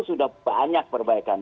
sudah banyak perbaikan